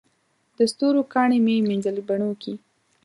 د ستورو کاڼي مې مینځل بڼوکي